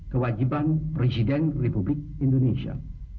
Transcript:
kewajiban presiden republik indonesia